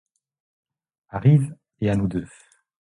Arrive, et à nous deux!